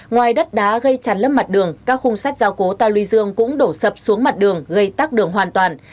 ngoài đất đá gây tràn lấp mặt đường các khung sách giao cố ta luy dương cũng đổ sập xuống mặt đường gây tắc đường hoàn toàn